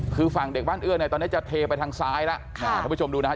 คือฝั่งเด็กบ้านเอื้อเนี่ยตอนนี้จะเทไปทางซ้ายแล้วท่านผู้ชมดูนะฮะ